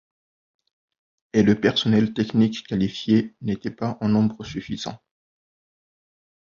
Et le personnel technique qualifié n'était pas en nombre suffisant.